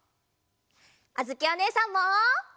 あづきおねえさんも。